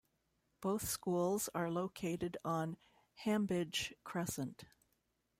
Both schools are located on Hambidge Crescent.